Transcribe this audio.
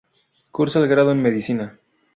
Cursa el grado en Medicina.